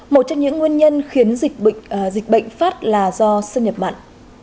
một trong những nguyên nhân khiến dịch bệnh phát là do xâm nhập mặn